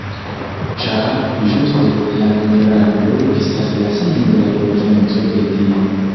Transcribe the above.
Ĉar ĝuste la miraklo estas la signo de la potenco de Dio.